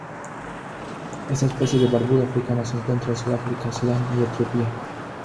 Esta especie de barbudo africano se encuentra en Sudáfrica, Sudán y Etiopía.